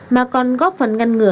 mà còn góp phần ngăn ngừa